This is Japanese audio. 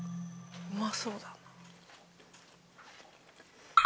うまそうだな。